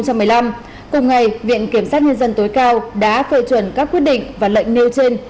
cùng ngày viện kiểm sát nhân dân tối cao đã phê chuẩn các quyết định và lệnh nêu trên